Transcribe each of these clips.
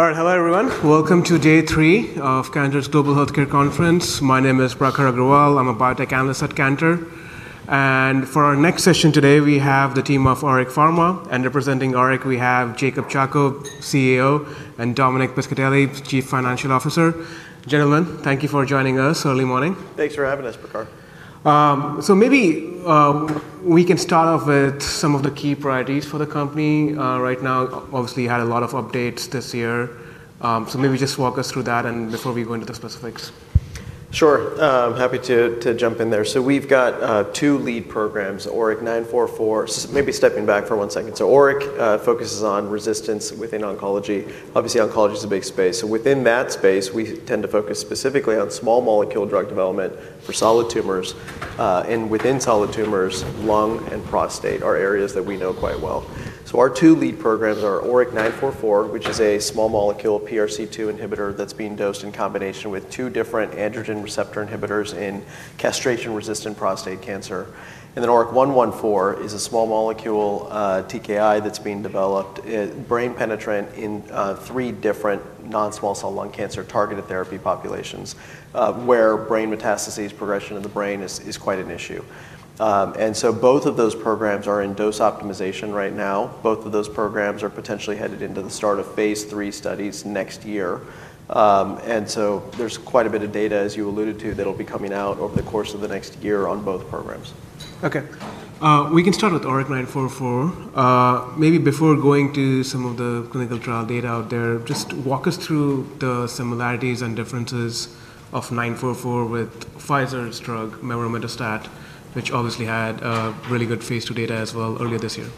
All right. Hello, everyone. Welcome to Day Three of Cantor's Global Healthcare Conference. My name is Prakhar Agrawal. I'm a Biotech Analyst at Cantor. For our next session today, we have the team of ORIC Pharma. Representing ORIC, we have Jacob Chacko, CEO, and Dominic Piscitelli, Chief Financial Officer. Gentlemen, thank you for joining us early morning. Thanks for having us, Prakhar. Maybe we can start off with some of the key priorities for the company. Right now, obviously, you had a lot of updates this year. Maybe just walk us through that before we go into the specifics. Sure. Happy to jump in there. We've got two lead programs: ORIC-944. Maybe stepping back for one second. ORIC focuses on resistance within oncology. Obviously, oncology is a big space. Within that space, we tend to focus specifically on small molecule drug development for solid tumors. Within solid tumors, lung and prostate are areas that we know quite well. Our two lead programs are ORIC-944, which is a small molecule PRC2 inhibitor that's being dosed in combination with two different androgen receptor inhibitors in castration-resistant prostate cancer. ORIC-114 is a small molecule TKI that's being developed, brain penetrant, in three different non-small cell lung cancer targeted therapy populations where brain metastases progression in the brain is quite an issue. Both of those programs are in dose optimization right now. Both of those programs are potentially headed into the start of Phase III studies next year. There's quite a bit of data, as you alluded to, that will be coming out over the course of the next year on both programs. OK. We can start with ORIC-944. Maybe before going to some of the clinical trial data out there, just walk us through the similarities and differences of 944 with Pfizer's drug Mevrometostat which obviously had really good Phase II data as well earlier this year.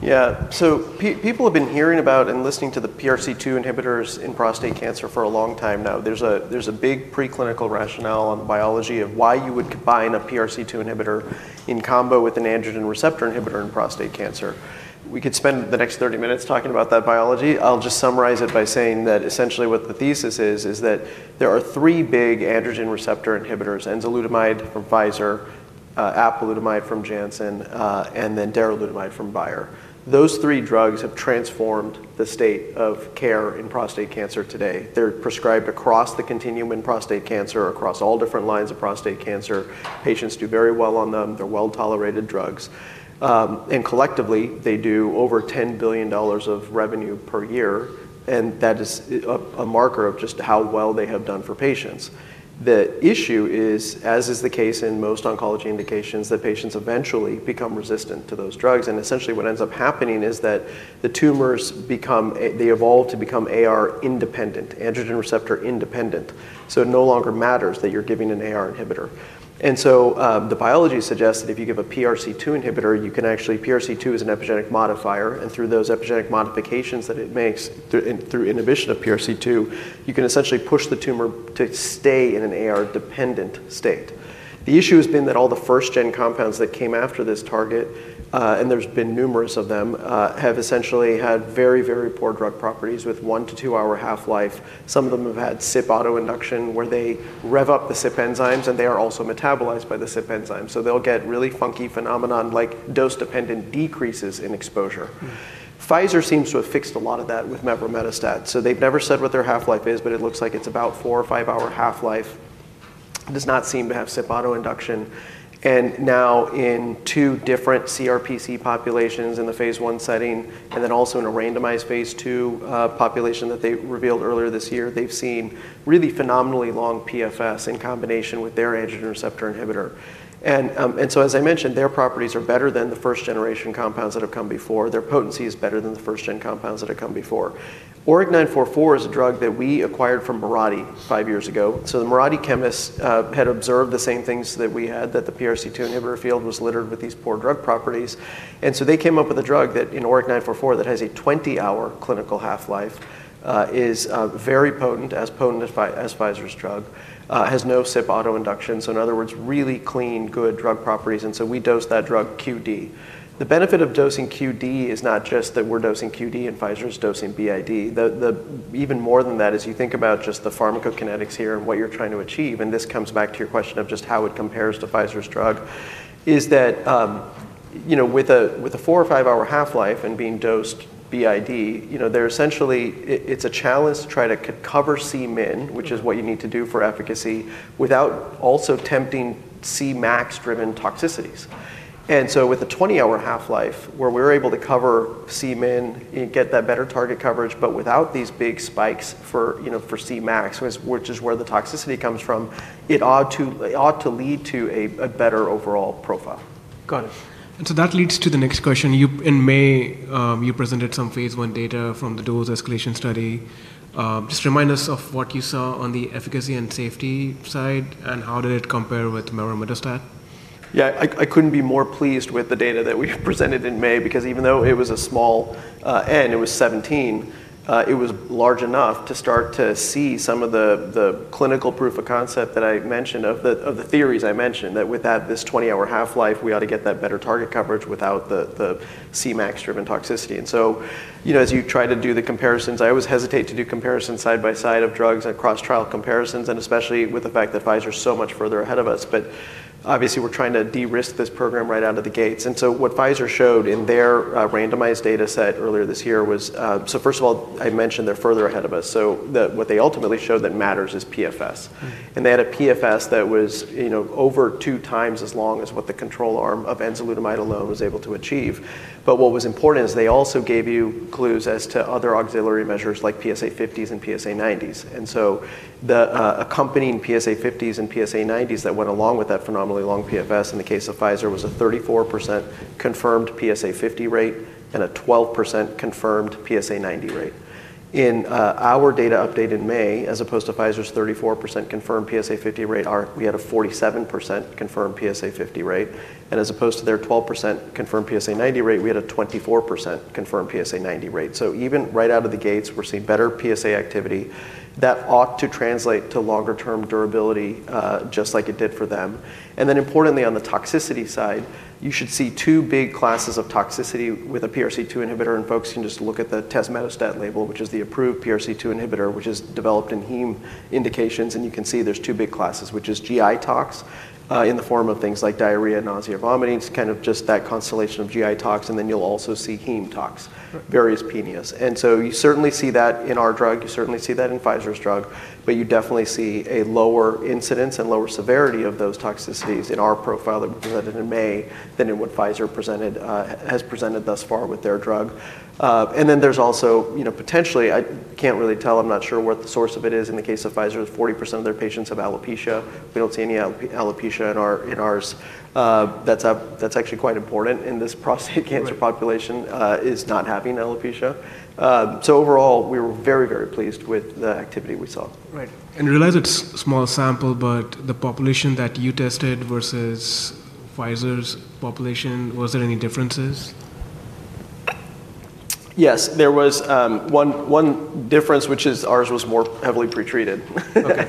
Yeah. People have been hearing about and listening to the PRC2 inhibitors in prostate cancer for a long time now. There's a big preclinical rationale on Biology of why you would combine a PRC2 inhibitor in combo with an androgen receptor inhibitor in prostate cancer. We could spend the next 30 minutes talking about that biology. I'll just summarize it by saying that essentially what the thesis is, is that there are three big androgen receptor inhibitors: enzalutamide from Pfizer, apalutamide from Janssen, and then darolutamide from Bayer. Those three drugs have transformed the state of care in prostate cancer today. They're prescribed across the continuum in prostate cancer, across all different lines of prostate cancer. Patients do very well on them. They're well-tolerated drugs. Collectively, they do over $10 billion of revenue per year. That is a marker of just how well they have done for patients. The issue is, as is the case in most oncology indications, that patients eventually become resistant to those drugs. Essentially, what ends up happening is that the tumors evolve to become AR independent, Androgen Receptor independent. It no longer matters that you're giving an AR inhibitor. The biology suggests that if you give a PRC2 inhibitor, you can actually—PRC2 is an epigenetic modifier. Through those epigenetic modifications that it makes through inhibition of PRC2, you can essentially push the tumor to stay in an AR-dependent state. The issue has been that all the first-gen compounds that came after this target, and there's been numerous of them, have essentially had very, very poor drug properties with one to two-hour half-life. Some of them have had CYP autoinduction, where they rev up the CYP enzymes, and they are also metabolized by the CYP enzymes. They'll get really funky phenomenon like dose-dependent decreases in exposure. Pfizer seems to have fixed a lot of that with Mevrometostat. They've never said what their half-life is, but it looks like it's about four or five-hour half-life. It does not seem to have CYP autoinduction. Now in two different CRPC populations in the Phase 1 setting, and also in a randomized Phase 2 population that they revealed earlier this year, they've seen really phenomenally long PFS in combination with their androgen receptor inhibitor. As I mentioned, their properties are better than the first-generation compounds that have come before. Their potency is better than the first-gen compounds that have come before. ORIC-944 is a drug that we acquired from Marathi five years ago. The Marathi chemists had observed the same things that we had, that the PRC2 inhibitor field was littered with these poor drug properties. They came up with a drug in ORIC-944 that has a 20-hour clinical half-life, is very potent, as potent as Pfizer's drug, has no CYP autoinduction. In other words, really clean, good drug properties. We dose that drug Q.D. The benefit of dosing Q.D. is not just that we're dosing Q.D. and Pfizer's dosing B.I.D. Even more than that is you think about just the pharmacokinetics here and what you're trying to achieve. This comes back to your question of just how it compares to Pfizer's drug, is that with a four or five-hour half-life and being dosed B.I.D., it's a challenge to try to cover C min, which is what you need to do for efficacy, without also tempting C max-driven toxicities. With a 20-hour half-life where we're able to cover C min and get that better target coverage, but without these big spikes for C max, which is where the toxicity comes from, it ought to lead to a better overall profile. Got it. That leads to the next question. In May, you presented some Phase 1 data from the dose escalation study. Just remind us of what you saw on the efficacy and safety side, and how did it compare with Mevrometostat? Yeah. I couldn't be more pleased with the data that we presented in May because even though it was a small n, it was 17. It was large enough to start to see some of the clinical proof of concept that I mentioned, of the theories I mentioned, that with that, this 20-hour half-life, we ought to get that better target coverage without the C max-driven toxicity. As you try to do the comparisons, I always hesitate to do comparisons side- by- side of drugs at cross-trial comparisons, especially with the fact that Pfizer is so much further ahead of us. Obviously, we're trying to de-risk this program right out of the gates. What Pfizer showed in their randomized data set earlier this year was, first of all, I mentioned they're further ahead of us. What they ultimately showed that matters is PFS. They had a PFS that was over 2x as long as what the control arm of enzalutamide alone was able to achieve. What was important is they also gave you clues as to other auxiliary measures like PSA-50s and PSA-90s. The accompanying PSA-50s and PSA-90s that went along with that phenomenally long PFS in the case of Pfizer was a 34% confirmed PSA-50 rate and a 12% confirmed PSA-90 rate. In our data update in May, as opposed to Pfizer's 34% confirmed PSA-50 rate, we had a 47% confirmed PSA-50 rate. As opposed to their 12% confirmed PSA-90 rate, we had a 24% confirmed PSA-90 rate. Even right out of the gates, we're seeing better PSA activity that ought to translate to longer-term durability, just like it did for them. Importantly, on the toxicity side, you should see two big classes of toxicity with a PRC2 inhibitor. Folks can just look at the Tazemetostat label, which is the approved PRC2 inhibitor, which is developed in heme indications. You can see there's two big classes, which is GI tox in the form of things like diarrhea, nausea, and vomiting, kind of just that constellation of GI tox. You'll also see heme tox, various penias. You certainly see that in our drug. You certainly see that in Pfizer's drug. You definitely see a lower incidence and lower severity of those toxicities in our profile that we presented in May than what Pfizer has presented thus far with their drug. There's also potentially, I can't really tell. I'm not sure what the source of it is. In the case of Pfizer, 40% of their patients have alopecia. We don't see any alopecia in ours. That's actually quite important in this prostate cancer population, is not having alopecia. Overall, we were very, very pleased with the activity we saw. Right. I realize it's a small sample, but the population that you tested versus Pfizer's population, was there any differences? Yes. There was one difference, which is ours was more heavily pretreated. That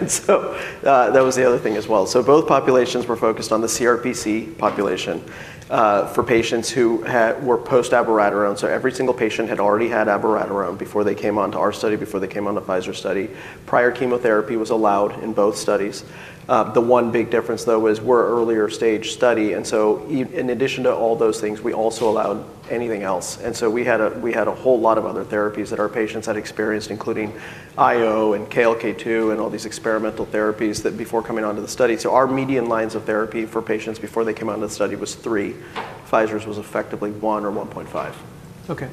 was the other thing as well. Both populations were focused on the CRPC population for patients who were post- abiraterone. Every single patient had already had abiraterone before they came onto our study, before they came on the Pfizer study. Prior chemotherapy was allowed in both studies. The one big difference, though, was we're an earlier stage study. In addition to all those things, we also allowed anything else. We had a whole lot of other therapies that our patients had experienced, including IO and KLK2 and all these experimental therapies before coming onto the study. Our median lines of therapy for patients before they came onto the study was three. Pfizer's was effectively one or 1.5. OK.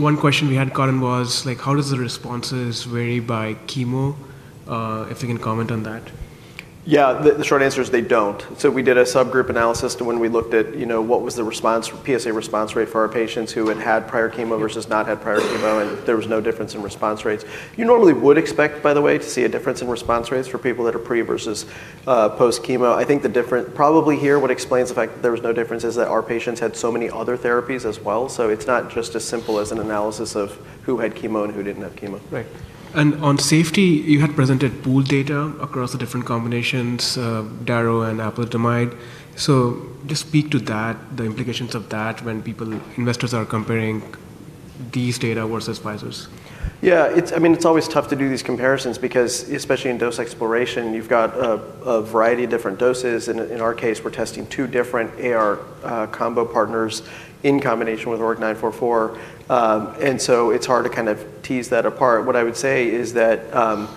One question we had gotten was, how do the responses vary by chemo? If you can comment on that. Yeah. The short answer is they don't. We did a subgroup analysis to when we looked at what was the PSA response rate for our patients who had had prior chemo versus not had prior chemo, and there was no difference in response rates. You normally would expect, by the way, to see a difference in response rates for people that are pre versus post- chemo. I think the difference probably here what explains the fact that there was no difference is that our patients had so many other therapies as well. It's not just as simple as an analysis of who had chemo and who didn't have chemo. Right. On safety, you had presented pooled data across the different combinations, darolutamide and apalutamide. Please speak to the implications of that when people, investors, are comparing these data versus Pfizer's. Yeah. I mean, it's always tough to do these comparisons because especially in dose exploration, you've got a variety of different doses. In our case, we're testing two different AR combo partners in combination with ORIC-944, and it's hard to kind of tease that apart. What I would say is that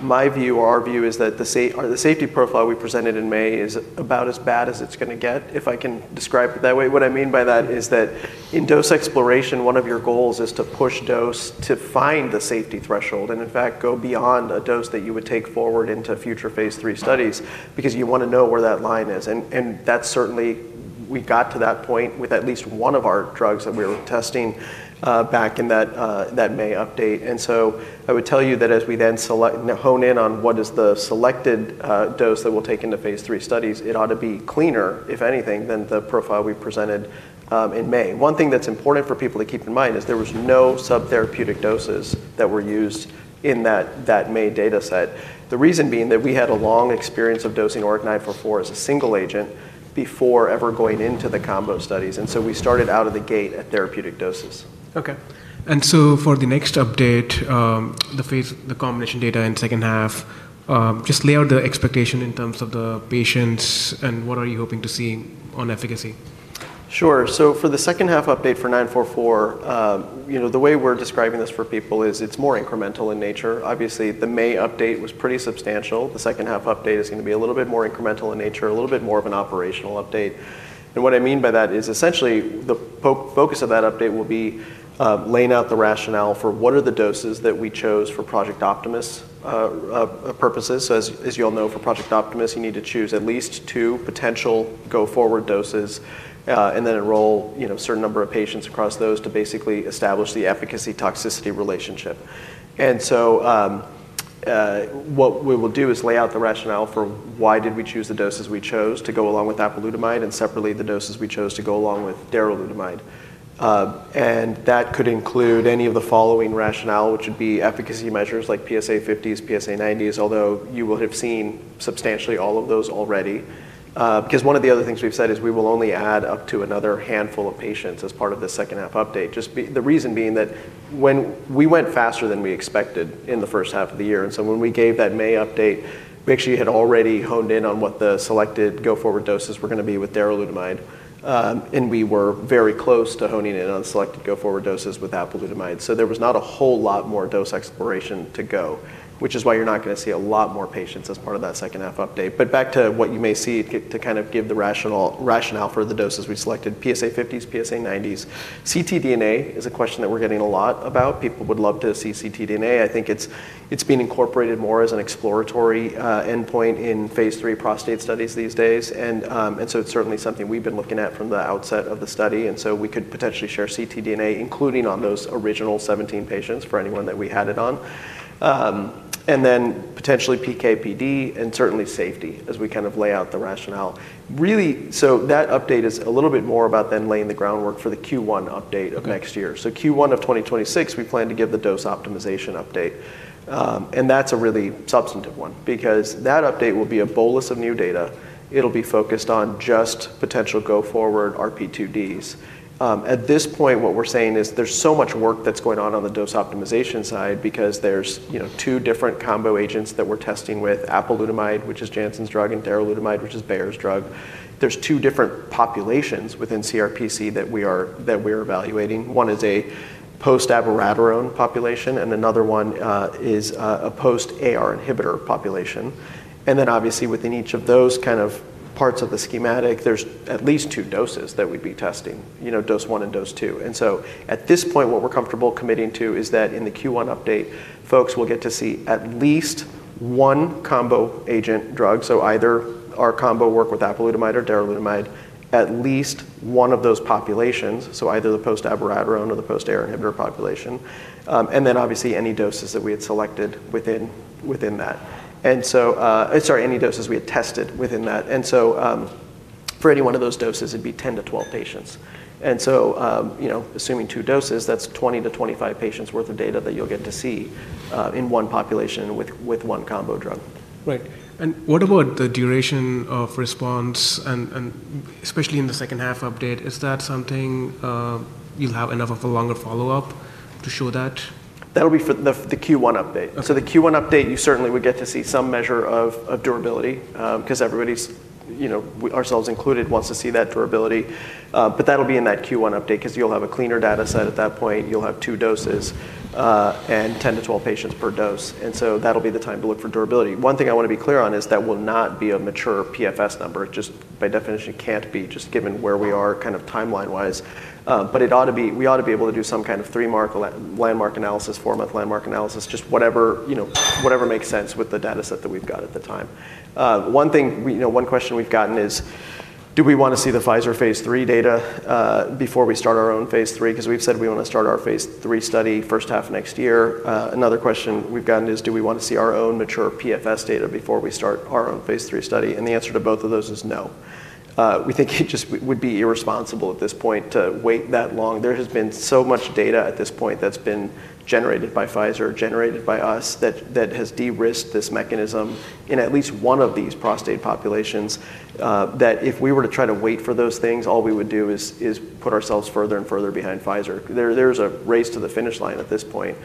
my view or our view is that the safety profile we presented in May is about as bad as it's going to get. If I can describe it that way, what I mean by that is that in dose exploration, one of your goals is to push dose to find the safety threshold and, in fact, go beyond a dose that you would take forward into Phase 3 studies because you want to know where that line is. That certainly, we got to that point with at least one of our drugs that we were testing back in that May update. I would tell you that as we then hone in on what is the selected dose that we'll take Phase 3 studies, it ought to be cleaner, if anything, than the profile we presented in May. One thing that's important for people to keep in mind is there were no subtherapeutic doses that were used in that May data set, the reason being that we had a long experience of dosing ORIC-944 as a single agent before ever going into the combo studies. We started out of the gate at therapeutic doses. OK. For the next update, the combination data in the second half, just lay out the expectation in terms of the patients and what are you hoping to see on efficacy. Sure. For the second half update for ORIC-944, the way we're describing this for people is it's more incremental in nature. Obviously, the May update was pretty substantial. The second half update is going to be a little bit more incremental in nature, a little bit more of an operational update. What I mean by that is essentially the focus of that update will be laying out the rationale for what are the doses that we chose for Project Optimus purposes. As you all know, for Project Optimus, you need to choose at least two potential go-forward doses and then enroll a certain number of patients across those to basically establish the efficacy-toxicity relationship. We will lay out the rationale for why we chose the doses we chose to go along with apalutamide and separately the doses we chose to go along with darolutamide. That could include any of the following rationale, which would be efficacy measures like PSA-50s, PSA-90s, although you will have seen substantially all of those already. One of the other things we've said is we will only add up to another handful of patients as part of the second- half update, the reason being that we went faster than we expected in the first- half of the year. When we gave that May update, we actually had already honed in on what the selected go-forward doses were going to be with darolutamide. We were very close to honing in on selected go-forward doses with apalutamide. There was not a whole lot more dose exploration to go, which is why you're not going to see a lot more patients as part of that second-- half update. Back to what you may see to kind of give the rationale for the doses we selected, PSA-50s, PSA-90s. ctDNA is a question that we're getting a lot about. People would love to see ctDNA. I think it's being incorporated more as an exploratory endpoint Phase 3 prostate studies these days. It's certainly something we've been looking at from the outset of the study. We could potentially share ctDNA, including on those original 17 patients for anyone that we had it on, and then potentially PKPD and certainly safety as we kind of lay out the rationale. Really, that update is a little bit more about then laying the groundwork for the Q1 update of next year. Q1 of 2026, we plan to give the dose optimization update. That's a really substantive one because that update will be a bolus of new data. It'll be focused on just potential go-forward RP2Ds. At this point, what we're saying is there's so much work that's going on on the dose optimization side because there's two different combo agents that we're testing with apalutamide, which is Janssen's drug, and darolutamide, which is Bayer's drug. There's two different populations within CRPC that we're evaluating. One is a post- abiraterone population, and another one is a post-AR inhibitor population. Obviously, within each of those parts of the schematic, there's at least two doses that we'd be testing, Dose 1 and D ose 2. At this point, what we're comfortable committing to is that in the Q1 update, folks will get to see at least one combo agent drug, so either our combo work with apalutamide or darolutamide, at least one of those populations, so either the post- abiraterone or the post-AR inhibitor population, and any doses that we had selected within that. Sorry, any doses we had tested within that. For any one of those doses, it'd be 10- 12 patients. Assuming two doses, that's 20- 25 patients' worth of data that you'll get to see in one population with one combo drug. Right. What about the duration of response? Especially in the second- half update, is that something you'll have enough of a longer follow-up to show that? That'll be for the Q1 update. The Q1 update, you certainly would get to see some measure of durability because everybody, ourselves included, wants to see that durability. That'll be in that Q1 update because you'll have a cleaner data set at that point. You'll have two doses and 10- 12 patients per dose, and that'll be the time to look for durability. One thing I want to be clear on is that will not be a mature PFS number. It just, by definition, can't be, just given where we are kind of timeline-wise. We ought to be able to do some kind of three-month landmark analysis, four-month landmark analysis, just whatever makes sense with the data set that we've got at the time. One question we've gotten is, do we want to see the Pfizer Phase 3 data before we start our own Phase 3? We've said we want to start our Phase 3 study first half next year. Another question we've gotten is, do we want to see our own mature PFS data before we start our own Phase 3 study? The answer to both of those is no. We think it just would be irresponsible at this point to wait that long. There has been so much data at this point that's been generated by Pfizer, generated by us, that has de-risked this mechanism in at least one of these prostate populations that if we were to try to wait for those things, all we would do is put ourselves further and further behind Pfizer. There's a race to the finish line at this point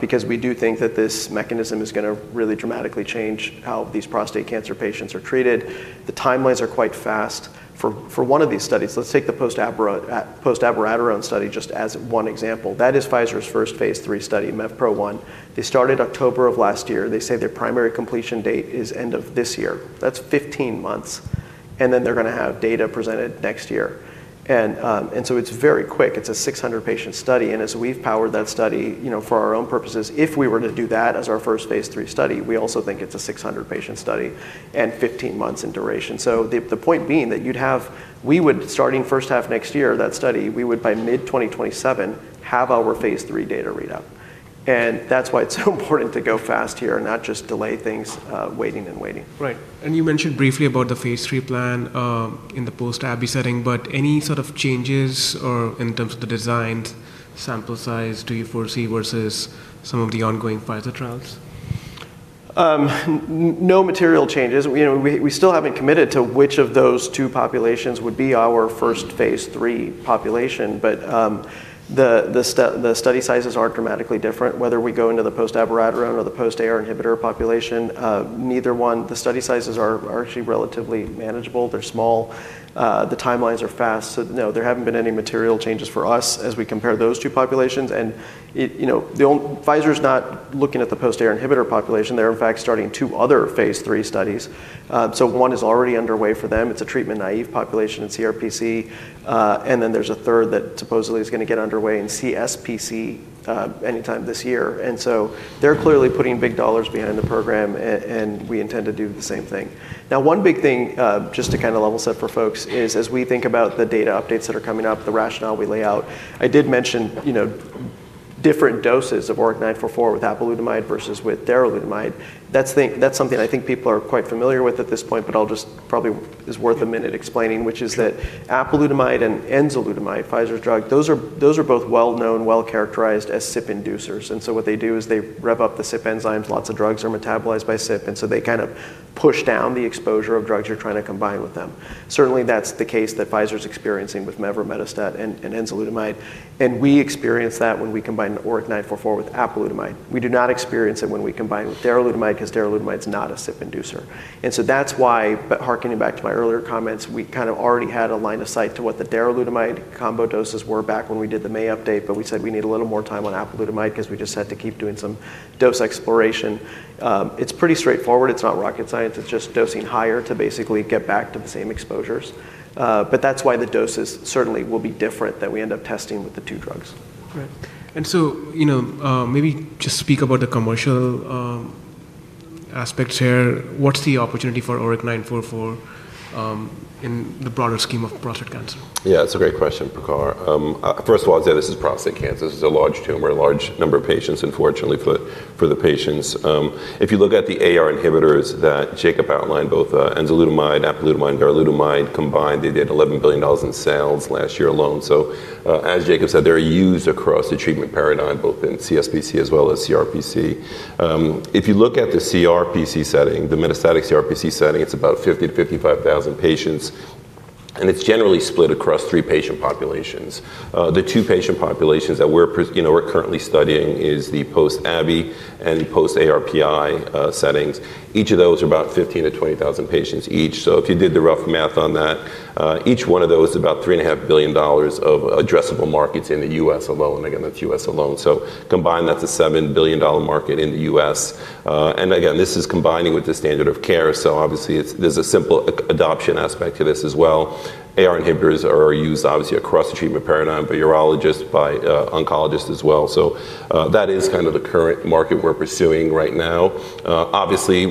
because we do think that this mechanism is going to really dramatically change how these prostate cancer patients are treated. The timelines are quite fast. For one of these studies, let's take the post-abiraterone study just as one example. That is Pfizer's first Phase 3 study, MEVPRO-1. They started October of last year. They say their primary completion date is end of this year. That's 15 months, and they're going to have data presented next year. It's very quick. It's a 600-patient study, and as we've powered that study for our own purposes, if we were to do that as our first Phase 3 study, we also think it's a 600-patient study and 15 months in duration. The point being that starting first- half next year, that study, we would by mid-2027 have our Phase 3 data readout. That's why it's so important to go fast here and not just delay things waiting and waiting. Right. You mentioned briefly about Phase 3 plan in the post-abi setting. Do you foresee any sort of changes in terms of the designs or sample size versus some of the ongoing Pfizer trials? No material changes. We still haven't committed to which of those two populations would be our first Phase 3 population, but the study sizes aren't dramatically different. Whether we go into the post-abiraterone or the post-androgen receptor inhibitor population, neither one. The study sizes are actually relatively manageable. They're small. The timelines are fast. There haven't been any material changes for us as we compare those two populations. Pfizer's not looking at the post-androgen receptor inhibitor population. They're, in fact, starting two other Phase 3 studies. One is already underway for them. It's a treatment-naive population in CRPC, and then there's a third that supposedly is going to get underway in CSPC any time this year. They're clearly putting big dollars behind the program, and we intend to do the same thing. One big thing just to kind of level set for folks is as we think about the data updates that are coming up, the rationale we lay out, I did mention different doses of ORIC-944 with apalutamide versus with darolutamide. That's something I think people are quite familiar with at this point, but it's probably worth a minute explaining, which is that apalutamide and enzalutamide, Pfizer's drug, those are both well-known, well-characterized as CYP inducers. What they do is they rev up the CYP enzymes. Lots of drugs are metabolized by CYP, and they kind of push down the exposure of drugs you're trying to combine with them. Certainly, that's the case that Pfizer's experiencing with Mevrometostat and enzalutamide, and we experience that when we combine ORIC-944 with apalutamide. We do not experience it when we combine with darolutamide because darolutamide is not a CYP inducer. That's why, harkening back to my earlier comments, we kind of already had a line of sight to what the darolutamide combo doses were back when we did the May update, but we said we need a little more time on apalutamide because we just had to keep doing some dose exploration. It's pretty straightforward. It's not rocket science. It's just dosing higher to basically get back to the same exposures. That's why the doses certainly will be different that we end up testing with the two drugs. Right. Maybe just speak about the commercial aspects here. What's the opportunity for ORIC-944 in the broader scheme of prostate cancer? Yeah, that's a great question, Prakhar. First of all, I'd say this is prostate cancer. This is a large tumor, a large number of patients, unfortunately for the patients. If you look at the AR inhibitors that Jacob outlined, both enzalutamide, apalutamide, and darolutamide combined, they did $11 billion in sales last year alone. As Jacob said, they're used across the treatment paradigm, both in CSPC as well as CRPC. If you look at the CRPC setting, the metastatic CRPC setting, it's about 50,000- 55,000 patients. It's generally split across three patient populations. The two patient populations that we're currently studying are the post-ABI and the post-ARPI settings. Each of those are about 15,000- 20,000 patients each. If you did the rough math on that, each one of those is about $3.5 billion of addressable markets in the U.S. alone. That's U.S. alone. Combined, that's a $7 billion market in the U.S. This is combining with the standard of care. Obviously, there's a simple adoption aspect to this as well. AR inhibitors are used obviously across the treatment paradigm by urologists, by oncologists as well. That is kind of the current market we're pursuing right now.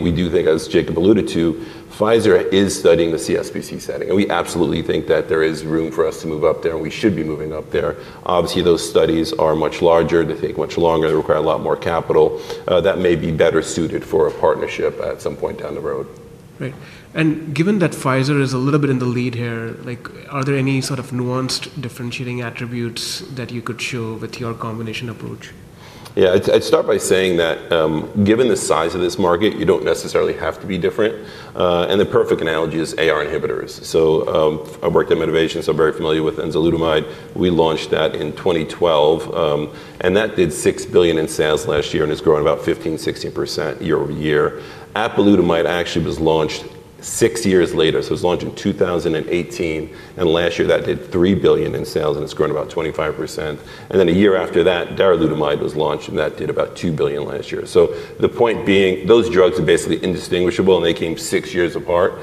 We do think, as Jacob alluded to, Pfizer is studying the CSPC setting. We absolutely think that there is room for us to move up there. We should be moving up there. Those studies are much larger. They take much longer. They require a lot more capital. That may be better suited for a partnership at some point down the road. Right. Given that Pfizer is a little bit in the lead here, are there any sort of nuanced differentiating attributes that you could show with your combination approach? Yeah, I'd start by saying that given the size of this market, you don't necessarily have to be different. The perfect analogy is AR inhibitors. I worked in innovation, so I'm very familiar with enzalutamide. We launched that in 2012, and that did $6 billion in sales last year and has grown about 15%-1 6% year- over- year. Apalutamide actually was launched six years later, so it was launched in 2018, and last year, that did $3 billion in sales. It's grown about 25%. A year after that, darolutamide was launched, and that did about $2 billion last year. The point being, those drugs are basically indistinguishable, and they came six years apart.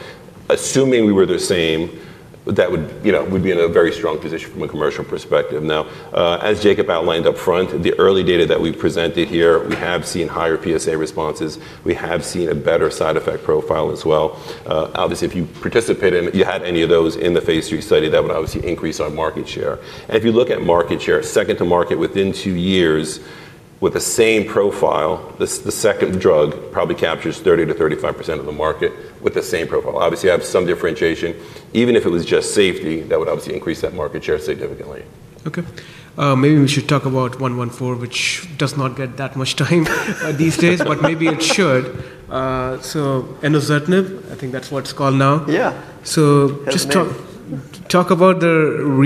Assuming we were the same, that would be in a very strong position from a commercial perspective. Now, as Jacob outlined up front, the early data that we presented here, we have seen higher PSA responses. We have seen a better side effect profile as well. Obviously, if you participated and you had any of those in Phase 3 study, that would obviously increase our market share. If you look at market share, second to market within two years with the same profile, the second drug probably captures 30%- 35% of the market with the same profile. Obviously, you have some differentiation. Even if it was just safety, that would obviously increase that market share significantly. OK. Maybe we should talk about 114, which does not get that much time these days, but maybe it should. Ezetimibe, I think that's what it's called now. Yeah. Could you talk about the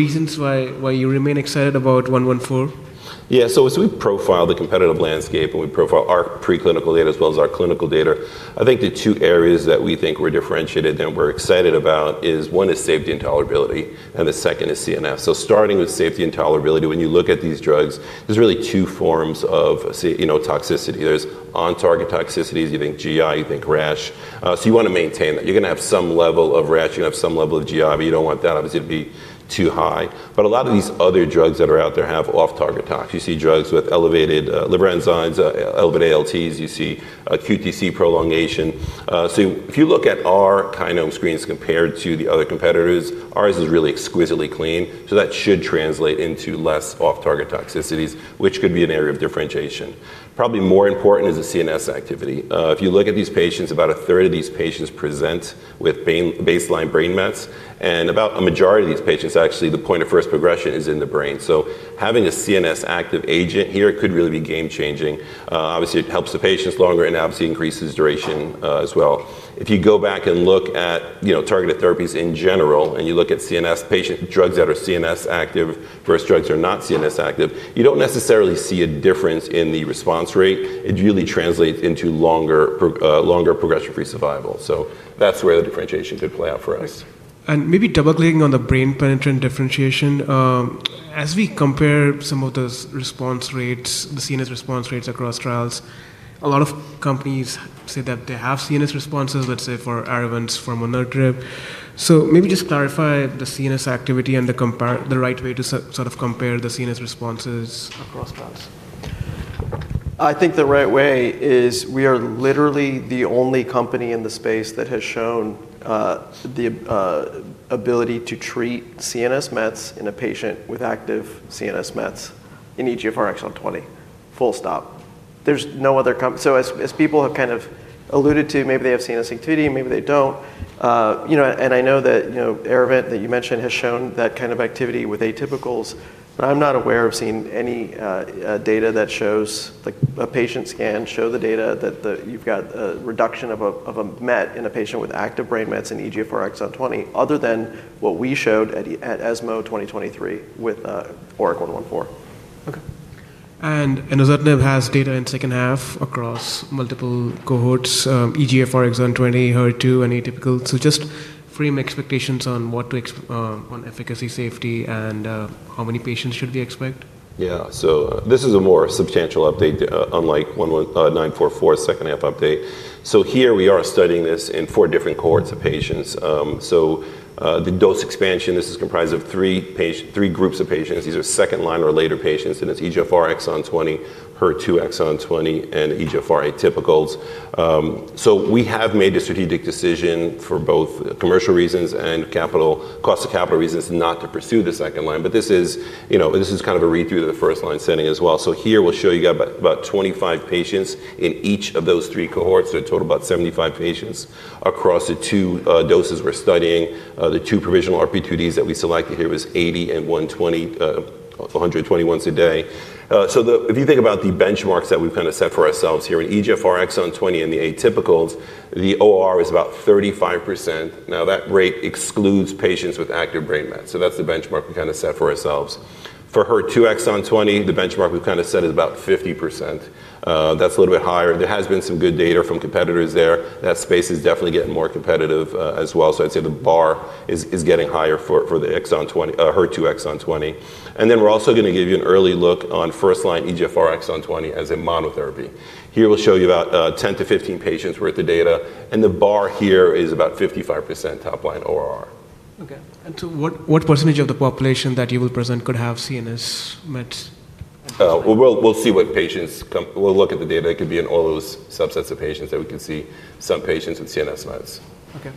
reasons why you remain excited about 114? Yeah. As we profile the competitive landscape and we profile our preclinical data as well as our clinical data, I think the two areas that we think we're differentiated and we're excited about is, one, is safety and tolerability. The second is CNS. Starting with safety and tolerability, when you look at these drugs, there's really two forms of toxicity. There's on-target toxicities. You think GI. You think rash. You want to maintain that. You're going to have some level of rash. You're going to have some level of GI. You don't want that obviously to be too high. A lot of these other drugs that are out there have off-target tox. You see drugs with elevated liver enzymes, elevated ALTs. You see QTC prolongation. If you look at our kind of screens compared to the other competitors, ours is really exquisitely clean. That should translate into less off-target toxicities, which could be an area of differentiation. Probably more important is the CNS activity. If you look at these patients, about a third of these patients present with baseline brain mets. A majority of these patients, actually, the point of first progression is in the brain. Having a CNS-active agent here could really be game-changing. Obviously, it helps the patients longer and obviously increases duration as well. If you go back and look at targeted therapies in general and you look at patient drugs that are CNS-active versus drugs that are not CNS-active, you don't necessarily see a difference in the response rate. It really translates into longer progression-free survival. That's where the differentiation could play out for us. Maybe double-clicking on the brain-penetrant differentiation, as we compare some of those response rates, the CNS response rates across trials, a lot of companies say that they have CNS responses, let's say, for ArriVent's, firmonertinib. Please clarify the CNS activity and the right way to sort of compare the CNS responses across trials. I think the right way is we are literally the only company in the space that has shown the ability to treat CNS mets in a patient with active CNS mets in EGFR exon 20. Full stop. There's no other company. As people have kind of alluded to, maybe they have CNS activity and maybe they don't. I know that ArriVent that you mentioned has shown that kind of activity with atypicals. I'm not aware of seeing any data that shows a patient scan, show the data that you've got a reduction of a met in a patient with active brain mets in EGFR exon 20, other than what we showed at ESMO 2023 with ORIC-114. OK. Ezetimibe has data in the second- half across multiple cohorts, EGFR exon 20, HER2, and atypical. Just frame expectations on efficacy, safety, and how many patients should we expect? Yeah. This is a more substantial update, unlike ORIC-944 second- half update. Here we are studying this in four different cohorts of patients. The dose expansion is comprised of three groups of patients. These are second-line or later patients, and it's EGFR exon 20, HER2 exon 20, and EGFR atypicals. We have made the strategic decision for both commercial reasons and cost of capital reasons not to pursue the second line. This is kind of a read-through to the first-line setting as well. Here, we'll show you about 25 patients in each of those three cohorts, so a total of about 75 patients across the two doses we're studying. The two provisional RP2Ds that we selected here were 80 and 120, also 120 once a day. If you think about the benchmarks that we've kind of set for ourselves here in EGFR exon 20 and the atypicals, the OR is about 35%. That rate excludes patients with active brain mets. That's the benchmark we kind of set for ourselves. For HER2 exon 20, the benchmark we've kind of set is about 50%. That's a little bit higher. There has been some good data from competitors there. That space is definitely getting more competitive as well. I'd say the bar is getting higher for the HER2 exon 20. We're also going to give you an early look on first-line EGFR exon 20 as a monotherapy. Here, we'll show you about 10- 15 patients' worth of data, and the bar here is about 55% top line OR. What percentage of the population that you will present could have CNS mets? We will see what patients come. We'll look at the data. It could be in all those subsets of patients that we could see some patients with CNS mets. OK.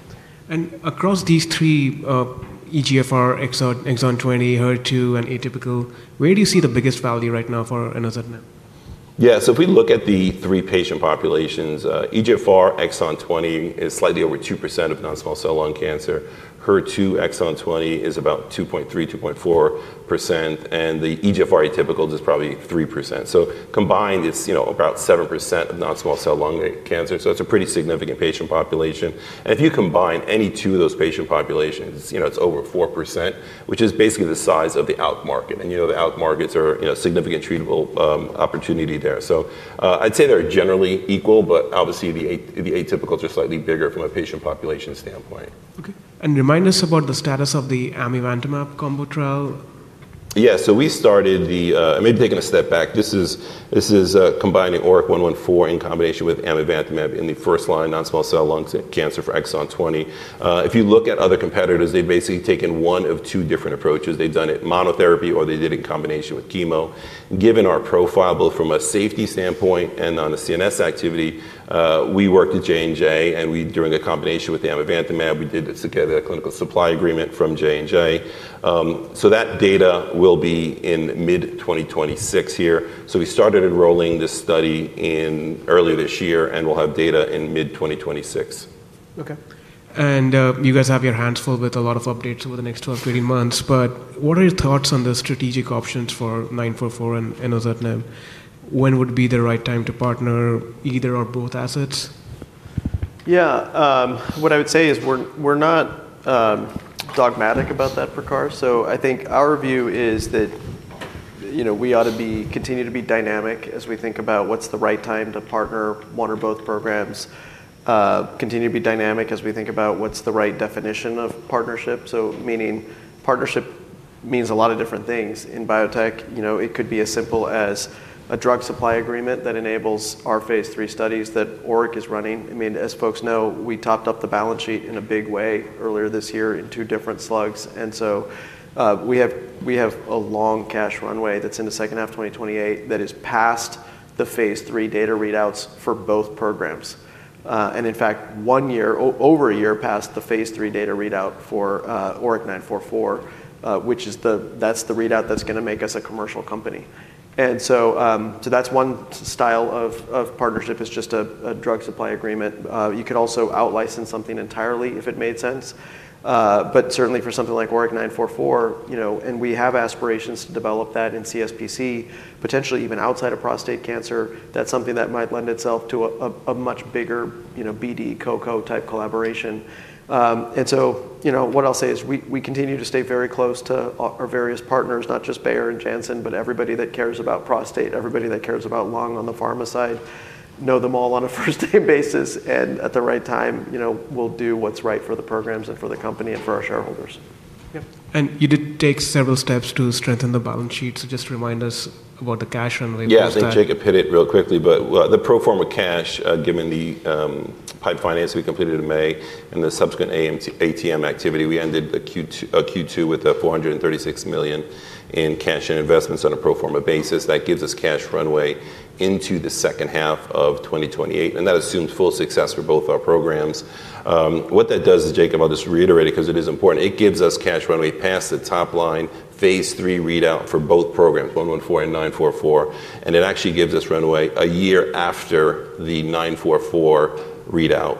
Across these three, EGFR exon 20, HER2, and atypical, where do you see the biggest value right now for ezetimibe? Yeah. If we look at the three patient populations, EGFR exon 20 is slightly over 2% of non-small cell lung cancer. HER2 exon 20 is about 2.3%, 2.4%. The EGFR atypical is probably 3%. Combined, it's about 7% of non-small cell lung cancer. It's a pretty significant patient population. If you combine any two of those patient populations, it's over 4%, which is basically the size of the out market. The out markets are a significant treatable opportunity there. I'd say they're generally equal, but obviously, the atypicals are slightly bigger from a patient population standpoint. OK. Remind us about the status of the amivantamab combo trial. Yeah. We started the, maybe taking a step back. This is combining ORIC-114 in combination with amivantamab in the first-line non-small cell lung cancer for exon 20. If you look at other competitors, they've basically taken one of two different approaches. They've done it monotherapy or they did it in combination with chemo. Given our profile, both from a safety standpoint and on the CNS activity, we worked with J&J. During the combination with the amivantamab, we did get a clinical supply agreement from J&J. That data will be in mid-2026 here. We started enrolling this study earlier this year, and we'll have data in mid-2026. OK. You guys have your hands full with a lot of updates over the next 12, 13 months. What are your thoughts on the strategic options for 944 and enozetinib? When would be the right time to partner either or both assets? Yeah. What I would say is we're not dogmatic about that, Prakhar. I think our view is that we ought to continue to be dynamic as we think about what's the right time to partner one or both programs, continue to be dynamic as we think about what's the right definition of partnership. Meaning partnership means a lot of different things in biotech. It could be as simple as a drug supply agreement that enables Phase 3 studies that ORIC is running. As folks know, we topped up the balance sheet in a big way earlier this year in two different slugs, and we have a long cash runway that's in the second half of 2028 that is past Phase 3 data readouts for both programs. In fact, over a year past Phase 3 data readout for ORIC-944, which is the readout that's going to make us a commercial company. That's one style of partnership. It's just a drug supply agreement. You could also out-license something entirely if it made sense. Certainly, for something like ORIC-944, and we have aspirations to develop that in CSPC, potentially even outside of prostate cancer, that's something that might lend itself to a much bigger BD, co-co type collaboration. I will say we continue to stay very close to our various partners, not just Bayer and Janssen, but everybody that cares about prostate, everybody that cares about lung on the pharma side, know them all on a first-name basis. At the right time, we'll do what's right for the programs and for the company and for our shareholders. Yeah, you did take several steps to strengthen the balance sheet. Just remind us about the cash runway. Yeah. I think Jacob hit it real quickly. The pro forma cash, given the PIPE financing we completed in May and the subsequent ATM activity, we ended Q2 with $436 million in cash and investments on a pro forma basis. That gives us cash runway into the second- half of 2028. That assumes full success for both our programs. What that does is, Jacob, I'll just reiterate it because it is important. It gives us cash runway past the top line Phase 3 readout for both programs, 114 and 944. It actually gives us runway a year after the 944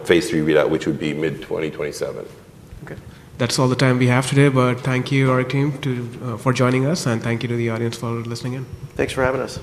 Phase 3 readout, which would be mid-2027. OK. That's all the time we have today. Thank you, ORIC team, for joining us. Thank you to the audience for listening in. Thanks for having us.